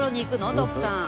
徳さん。